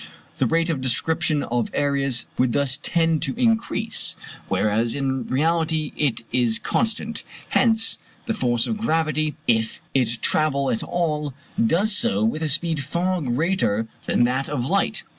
The rate of description of areas would thus tend to increase; whereas in reality it is constant. Hence the force of gravity, if it travel at all, does so with a speed far greater than that of light.